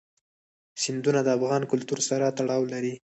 سیندونه د افغان کلتور سره تړاو لري.